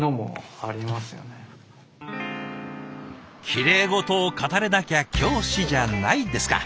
「きれい事を語れなきゃ教師じゃない」ですか。